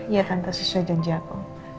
ya tanpa sesuai janji aku